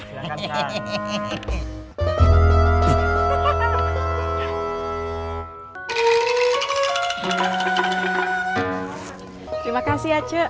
terima kasih ya cu